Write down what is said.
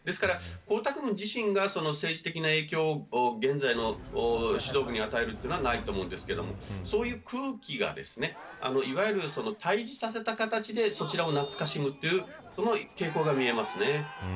江沢民自身が政治的な影響を現在の指導部に与えることはないと思いますがそういう空気がいわゆる対峙させた形で懐かしむという傾向が見えます。